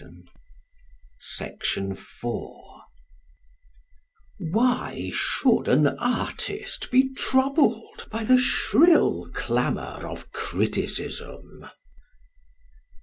_Why should an artist be troubled by the shrill clamour of criticism?